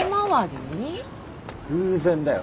偶然だよ。